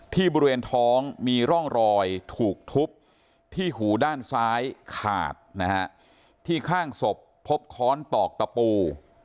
บริเวณท้องมีร่องรอยถูกทุบที่หูด้านซ้ายขาดนะฮะที่ข้างศพพบค้อนตอกตะปู